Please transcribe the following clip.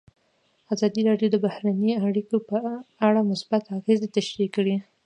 ازادي راډیو د بهرنۍ اړیکې په اړه مثبت اغېزې تشریح کړي.